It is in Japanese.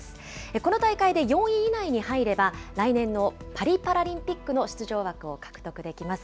この大会で４位以内に入れば、来年のパリパラリンピックの出場枠を獲得できます。